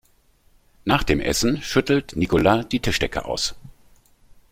Nach dem Essen schüttelt Nicola die Tischdecke aus.